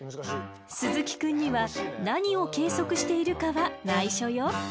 鈴木くんには何を計測しているかはないしょよ。